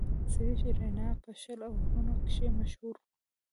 سریش رینا په شل آورونو کښي مشهور وو.